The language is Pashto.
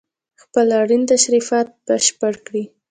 خپل اړين تشريفات بشپړ کړي